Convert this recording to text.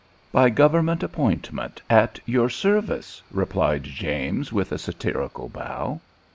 "By government appointment, at your service," replied James, with a satirical bow.